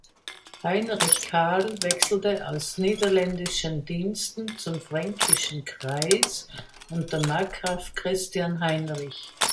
Heinrich Karl wechselte aus niederländischen Diensten zum Fränkischen Kreis unter Markgraf Christian Heinrich.